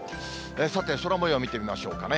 さて、空もよう見てみましょうかね。